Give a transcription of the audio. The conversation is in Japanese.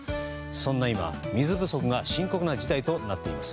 そんな今、水不足が深刻な事態となっています。